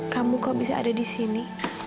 kamu kok bisa ada di sini